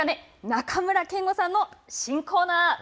中村憲剛さんの新コーナー。